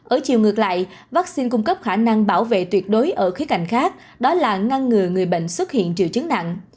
ở chiều ngược lại vaccine cung cấp khả năng bảo vệ tuyệt đối ở khía cạnh khác đó là ngăn ngừa người bệnh xuất hiện triệu chứng nặng